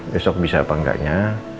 besok bisa apa enggaknya